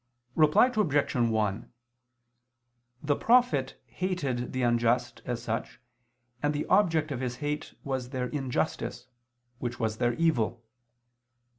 Reply Obj. 1: The prophet hated the unjust, as such, and the object of his hate was their injustice, which was their evil.